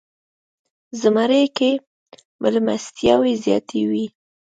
زمری کې میلمستیاوې زیاتې وي.